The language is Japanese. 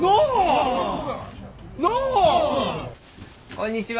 こんにちは。